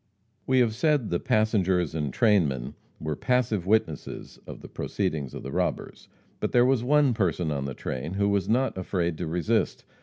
We have said the passengers and trainmen were passive witnesses of the proceedings of the robbers. But there was one person on the train who was not afraid to resist.